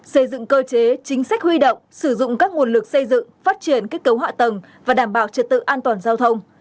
xây dựng cơ chế chính sách huy động sử dụng các nguồn lực xây dựng phát triển kết cấu hạ tầng và đảm bảo trật tự an toàn giao thông